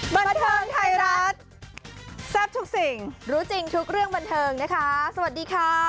บันเทิงไทยรัฐแซ่บทุกสิ่งรู้จริงทุกเรื่องบันเทิงนะคะสวัสดีค่ะ